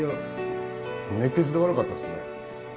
熱血で悪かったですね